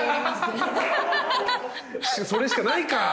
それしかないか。